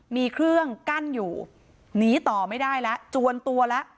มีเครื่องกั้นอยู่หนีต่อไม่ได้แล้วจวนตัวแล้ว